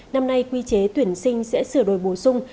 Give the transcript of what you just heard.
năm nay quy chế tuyển sinh sẽ sửa đổi bổ sung